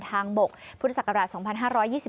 ทางบกพุทธศักราช๒๕๒๒